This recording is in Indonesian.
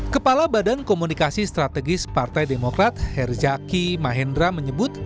kepala badan komunikasi strategis partai demokrat herzaki mahendra menyebut